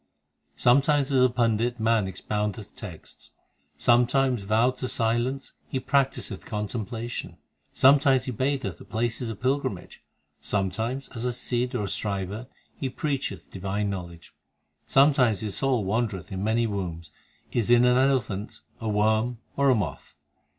7 Sometimes as a Pandit man expoundeth texts, Sometimes vowed to silence he practiseth contemplation, Sometimes he batheth at places of pilgrimage, Sometimes as a Sidh or Striver he preacheth divine know ledge. Sometimes his soul wandereth in many wombs Is in an elephant, a worm, or a moth.